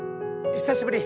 久しぶり。